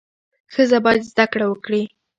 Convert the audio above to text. ښځه باید زده کړه وکړي.